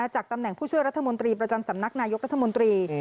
จากตำแหน่งผู้ช่วยรัฐมนตรีประจำสำนักนายกรัฐมนตรี